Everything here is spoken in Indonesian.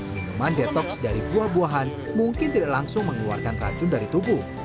minuman detox dari buah buahan mungkin tidak langsung mengeluarkan racun dari tubuh